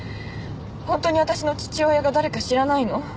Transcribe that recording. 本当に私の父親が誰か知らないの？